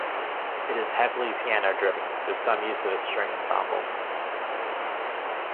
It is heavily piano-driven with some use of a string ensemble.